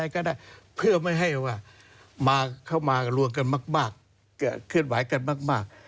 เข้ามาร่วงกันมากเคลื่อนไหวกันมาก